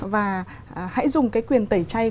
và hãy dùng cái quyền tẩy chay